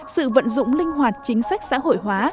sự vận dụng linh hoạt chính sách xã hội hóa